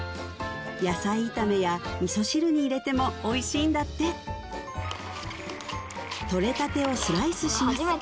野菜炒めや味噌汁に入れてもおいしいんだって取れたてをスライスします